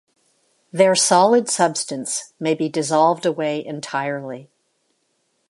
Their solid substance may be dissolved away entirely.